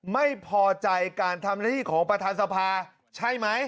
ไม่พอใจการทำหน้าที่ของประธานสภาใช่ไหม